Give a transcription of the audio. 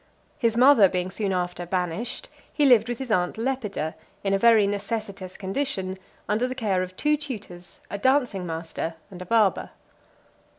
His mother being soon after banished, he lived with his aunt Lepida, in a very necessitous condition, under the care of two tutors, a dancing master and a barber.